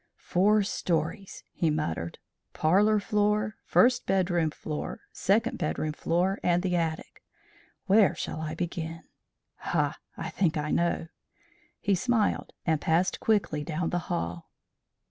"Four stories!" he muttered. "Parlour floor, first bedroom floor, second bedroom floor, and the attic! Where shall I begin? Ha! I think I know," he smiled, and passed quickly down the hall.